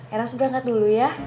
ena sudah angkat dulu ya